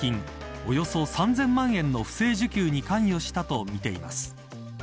およそ３０００万円の不正受給に関与したとみています。